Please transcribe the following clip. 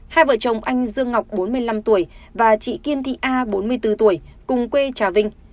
hai vợ chồng anh dương ngọc bốn mươi năm tuổi và chị kim thị a bốn mươi bốn tuổi cùng quê trà vinh